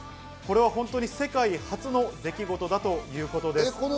これは本当に世界初の出来事だということです。